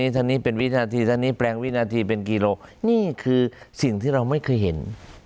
ท่านนี้เป็นวินาทีเท่านี้แปลงวินาทีเป็นกิโลนี่คือสิ่งที่เราไม่เคยเห็น